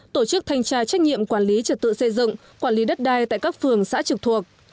tổ chức thanh tra trách nhiệm quản lý trật tự xây dựng quản lý đất đai tại các phường xã trực thuộc